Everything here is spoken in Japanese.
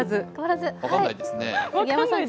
分からないですね。